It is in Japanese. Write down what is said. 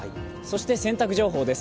洗濯情報です。